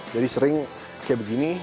jadi sering kayak begini